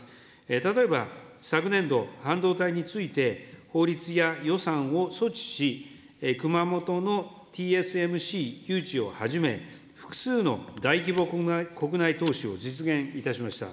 例えば昨年度、半導体について、法律や予算を措置し、熊本のＴＳＭＣ誘致をはじめ、複数の大規模国内投資を実現いたしました。